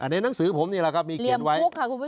ในหนังสือผมนี่แหละครับมีเขียนไว้